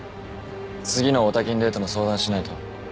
次のヲタ禁デートの相談しないと。